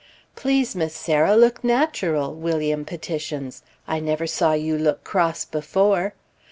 "Please, Miss Sarah, look natural!" William petitions. "I never saw you look cross before."